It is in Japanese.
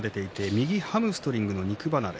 右ハムストリングの肉離れ。